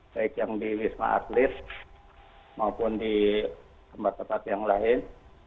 baik yang di wisma atlet maupun di tempat tempat yang lain